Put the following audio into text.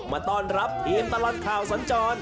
มาต้อนรับทีมตลอดข่าวสัญจร